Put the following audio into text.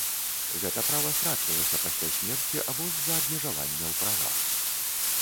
Гэта права страчвалася пасля смерці або з-за абмежавання ў правах.